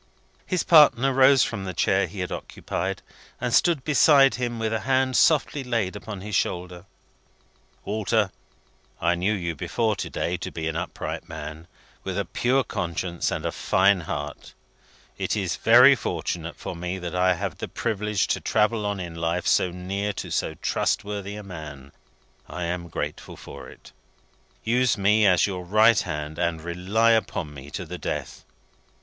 His partner rose from the chair he had occupied, and stood beside him with a hand softly laid upon his shoulder. "Walter, I knew you before to day to be an upright man, with a pure conscience and a fine heart. It is very fortunate for me that I have the privilege to travel on in life so near to so trustworthy a man. I am thankful for it. Use me as your right hand, and rely upon me to the death.